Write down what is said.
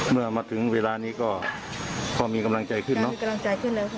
เมื่อมาถึงเวลานี้ก็พอมีกำลังใจขึ้นเนอะ